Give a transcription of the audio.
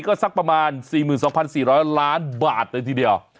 ก็สักประมาณ๔๒๔๐๐ล้านบาทเลยทีเดียว